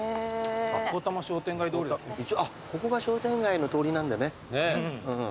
ここが商店街の通りなんだね。